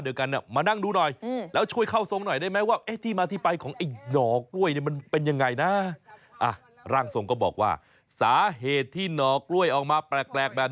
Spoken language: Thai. เออก็เห็นกันไปชาวบ้านเขาบอกกันเหรอครับ